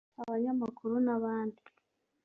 abanyamakuru n’abandi